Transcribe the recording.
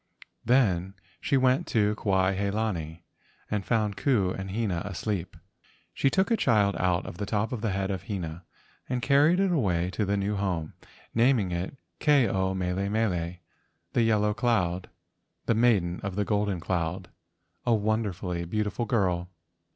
Then she went to Kuai he lani and found Ku and Hina asleep. She took a child out of the top of the head of Hina and carried it away to the new home, naming it Ke ao mele mele (the yellow cloud), the Maiden of the Golden Cloud, a won¬ derfully beautiful girl.